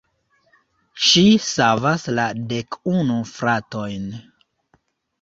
Ŝi savas la dekunu fratojn.